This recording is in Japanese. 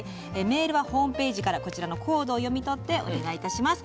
メールはホームページからコードを読み取ってお願いいたします。